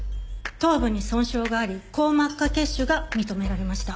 頭部に損傷があり硬膜下血腫が認められました。